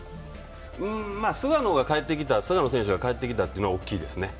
うーん、まあ菅野選手が帰ってきたというのが大きいですね。